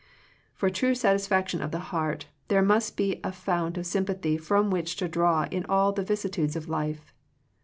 For true satisfaction of the heart, th6re must be a fount of sympathy from which to draw in all the vicissitudes of life.